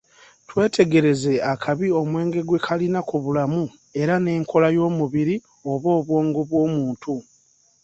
Twetegereze akabi omwenge gwe kalina ku bulamu era n'enkola y'omubiri oba obwongo bw'omuntu.